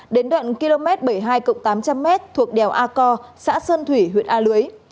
đến đoạn km bảy mươi hai tám trăm linh m thuộc đèo a co xã sơn thủy huyện a lưới